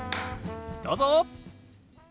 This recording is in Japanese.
どうぞ！